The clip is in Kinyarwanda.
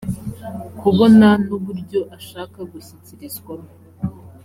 kubona n uburyo ashaka gushyikirizwamo